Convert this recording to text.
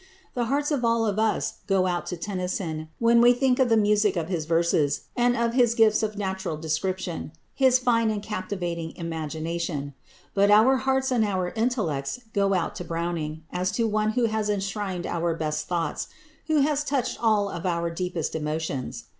The hearts of all of us go out to Tennyson when we think of the music of his verses, of his gifts of natural description, his fine and captivating imagination; but our hearts and our intellects go out to Browning, as to one who has enshrined our best thoughts, who has touched all our deepest emotions.